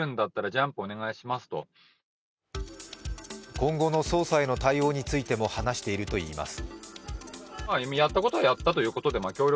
今後の捜査への対応についても話しているといいます。